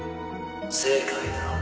・正解だ。